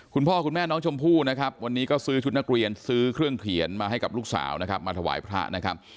คุณพ่อคุณแม่น้องชมพู่นะครับวันนี้ก็ซื้อชุดนักเรียนซื้อเครื่องเขียนมาให้กับลูกสาวนะครับมาถวายพระนะครับ